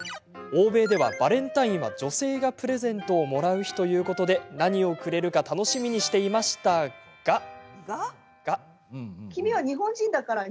欧米ではバレンタインは女性がプレゼントをもらう日ということで、何をくれるか楽しみにしていましたが。